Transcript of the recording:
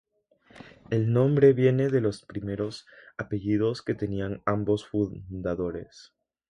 El nombre viene de los primeros apellidos que tenían ambos fundadores.